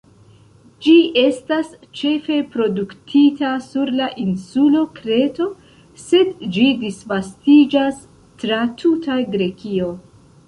Ĝi estas ĉefe produktita sur la insulo Kreto, sed ĝi disvastiĝas tra tuta Grekio.